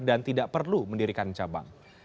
dan tidak perlu mendirikan cabang